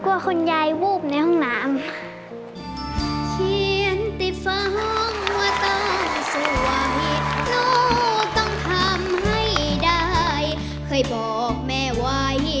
กลัวคุณยายวูบในห้องน้ำ